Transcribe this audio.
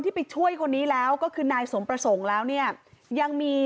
ไปช่วยคนนี้แล้วก็คือนายสมประสงค์แล้วเนี่ยยังมี